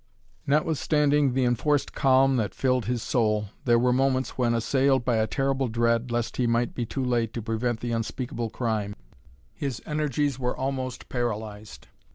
Notwithstanding the enforced calm that filled his soul, there were moments when, assailed by a terrible dread, lest he might be too late to prevent the unspeakable crime, his energies were almost paralyzed.